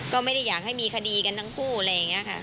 ก็ไม่ได้อยากให้มีคดีกันทั้งคู่อะไรอย่างนี้ค่ะ